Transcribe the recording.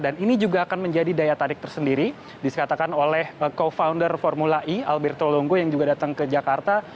dan ini juga akan menjadi daya tarik tersendiri disatakan oleh co founder formula e alberto lungo yang juga datang ke jakarta